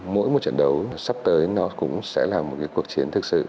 mỗi một trận đấu sắp tới nó cũng sẽ là một cuộc chiến thực sự